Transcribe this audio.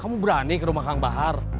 kamu berani ke rumah kang bahar